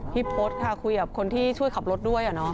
พี่พดค่ะคุยกับคนที่ช่วยขับรถด้วยเหรอนะ